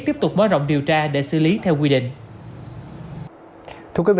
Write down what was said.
tiếp tục mở rộng điều tra để xử lý theo quy định